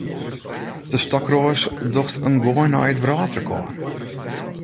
De stokroas docht in goai nei it wrâldrekôr.